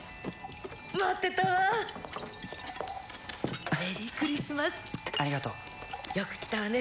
待ってたわメリークリスマスありがとうよく来たわね